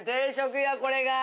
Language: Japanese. これが。